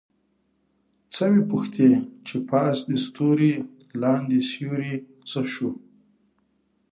څه مې پوښتې چې پاس دې ستوری لاندې سیوری څه شو؟